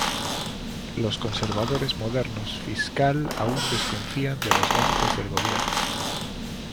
Los conservadores modernos fiscal aún desconfían de los gastos del gobierno.